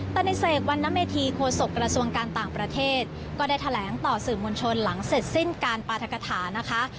แต่ในเสกวันนเมธีโฆษกระทรวงการต่างประเทศก็ได้แถลงต่อสื่อมวลชนหลังเสร็จสิ้นการปราธกฐานะคะ